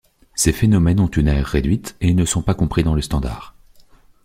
Ces phénomènes ont une aire réduite et ne sont pas compris dans le standard.